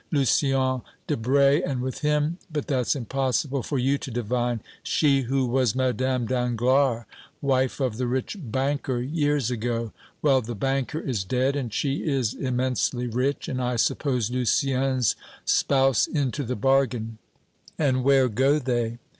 Lucien Debray, and with him but that's impossible for you to divine she who was Madame Danglars, wife of the rich banker years ago. Well, the banker is dead and she is immensely rich, and I suppose Lucien's spouse into the bargain." "And where go they?"